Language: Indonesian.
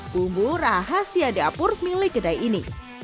bumbu rahasia dapur milik kedai ini